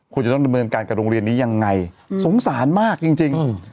คุณจะต้องดำเนินการกับโรงเรียนนี้ยังไงสงสารมากจริง